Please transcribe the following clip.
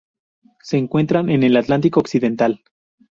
Se encuentran en el Atlántico occidental.